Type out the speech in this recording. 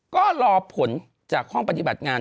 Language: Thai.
ก็รอผลจากห้องปฏิบัติงาน